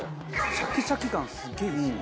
シャキシャキ感すげえいいんですよ。